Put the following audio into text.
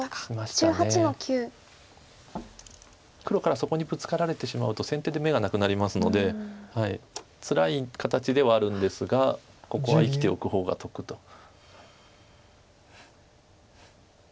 黒からそこにブツカられてしまうと先手で眼がなくなりますのでつらい形ではあるんですがここは生きておく方が得と。